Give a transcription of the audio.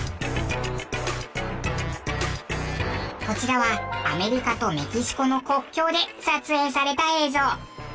こちらはアメリカとメキシコの国境で撮影された映像。